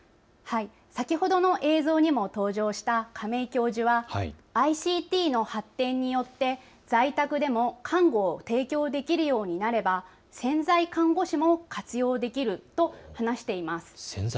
先ほどの映像でも登場した亀井教授はＩＣＴの発展によって在宅でも看護を提供できるようになれば潜在看護師も活用できると話しています。